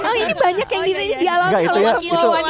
oh ini banyak yang gini gini di alam